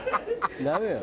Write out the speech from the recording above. ダメよ」